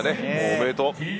おめでとう。